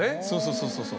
そうそう。